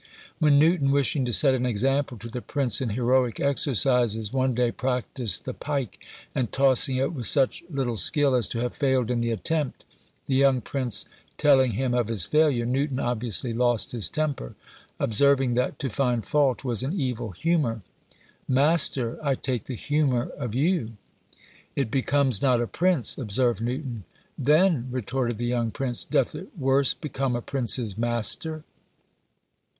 When Newton, wishing to set an example to the prince in heroic exercises, one day practised the pike, and tossing it with such little skill as to have failed in the attempt, the young prince telling him of his failure, Newton obviously lost his temper, observing, that "to find fault was an evil humour." "Master, I take the humour of you." "It becomes not a prince," observed Newton. "Then," retorted the young prince, "doth it worse become a prince's master!"